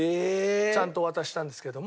ちゃんと渡したんですけども。